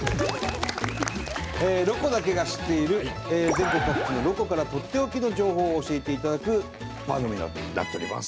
全国各地のロコからとっておきの情報を教えていただく番組になっております。